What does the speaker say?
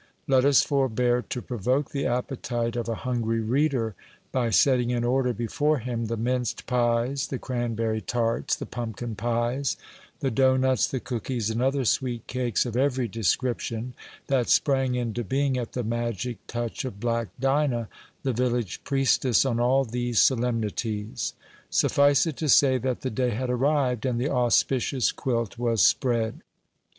Let us forbear to provoke the appetite of a hungry reader by setting in order before him the minced pies, the cranberry tarts, the pumpkin pies, the doughnuts, the cookies, and other sweet cakes of every description, that sprang into being at the magic touch of Black Dinah, the village priestess on all these solemnities. Suffice it to say that the day had arrived, and the auspicious quilt was spread.